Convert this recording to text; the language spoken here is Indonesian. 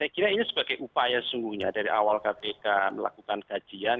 saya kira ini sebagai upaya sesungguhnya dari awal kpk melakukan kajian